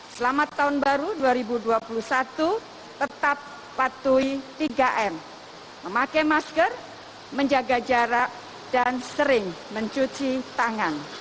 selamat tahun baru dua ribu dua puluh satu tetap patuhi tiga m memakai masker menjaga jarak dan sering mencuci tangan